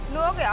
nước vậy ạ